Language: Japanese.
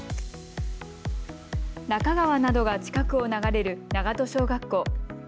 中川などが近くを流れる長門小学校。